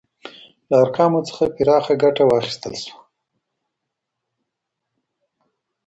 له ارقامو څخه پراخه ګټه واخيستل سوه.